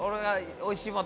おいしいもの